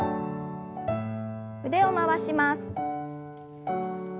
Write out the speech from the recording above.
腕を回します。